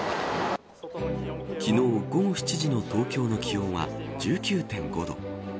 昨日午後７時の東京の気温は１９．５度。